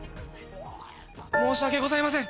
申し訳ございません。